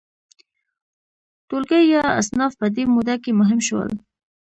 ټولګي یا اصناف په دې موده کې مهم شول.